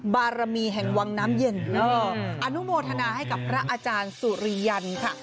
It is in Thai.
บารมีแห่งวังน้ำเย็นอนุโมทนาให้กับพระอาจารย์สุริยันค่ะ